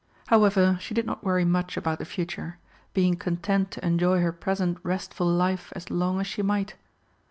However, she did not worry much about the future, being content to enjoy her present restful life as long as she might.